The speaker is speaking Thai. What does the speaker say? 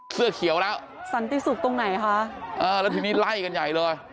เสื้อเขียวแล้วสันติสุขตรงไหนคะเออแล้วทีนี้ไล่กันใหญ่เลย